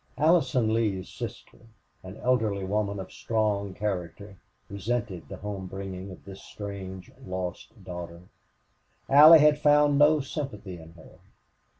Allison Lee's sister, an elderly woman of strong character, resented the home bringing of this strange, lost daughter. Allie had found no sympathy in her.